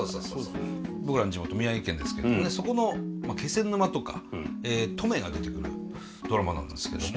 僕らの地元宮城県ですけどそこの気仙沼とか登米が出てくるドラマなんですけども。